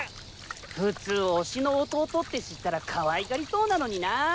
普通推しの弟って知ったら可愛がりそうなのにな。